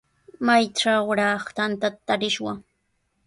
¿Maytrawraq tantata tarishwan?